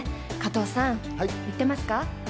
加藤さん、言ってますか？